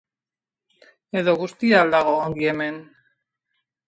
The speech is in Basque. Edo guztia al dago ongi hemen?